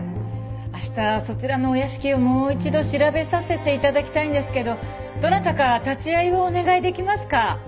明日そちらのお屋敷をもう一度調べさせて頂きたいんですけどどなたか立ち会いをお願いできますか？